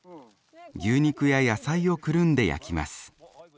牛肉や野菜をくるんで焼きます。